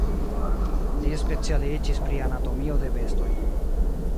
Li specialiĝis pri anatomio de bestoj.